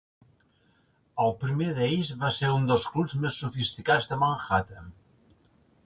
El primer d'ells va ser un dels clubs més sofisticats de Manhattan.